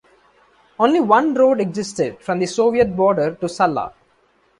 Only one road existed from the Soviet border to Salla.